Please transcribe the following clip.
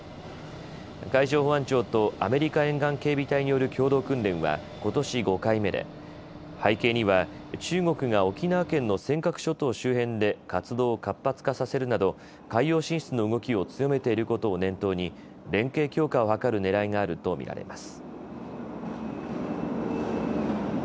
海上保安庁とアメリカ沿岸警備隊による共同訓練はことし５回目で背景には中国が沖縄県の尖閣諸島周辺で活動を活発化させるなど海洋進出の動きを強めていることを念頭に連携強化を図るねらいがあると見られます。